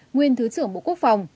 nguyên thứ trưởng bộ quốc phòng